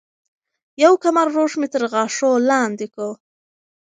يو کمر روش مي تر غاښو لاندي کو